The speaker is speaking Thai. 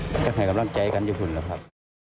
ครับจะให้กำลังใจกันอยู่สุดนะครับ